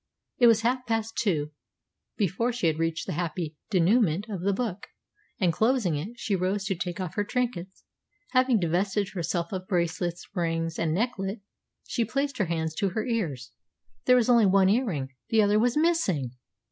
It was half past two before she had reached the happy dénouement of the book, and, closing it, she rose to take off her trinkets. Having divested herself of bracelets, rings, and necklet, she placed her hands to her ears. There was only one ear ring; the other was missing!